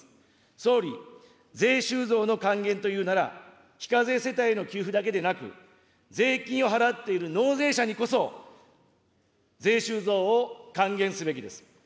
総理、税収増の還元というなら、非課税世帯への給付だけでなく、税金を払っている納税者にこそ、税収増を還元すべきです。